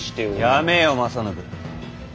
やめよ正信。